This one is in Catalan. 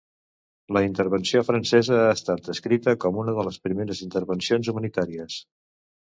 La intervenció francesa ha estat descrita com una de les primeres intervencions humanitàries.